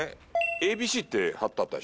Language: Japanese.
ＡＢＣって貼ってあったでしょ？